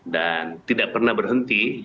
dan tidak pernah berhenti